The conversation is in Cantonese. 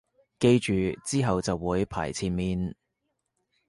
記住之後就會排前面